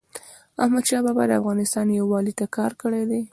احمدشاه بابا د افغانستان یووالي ته کار کړی دی.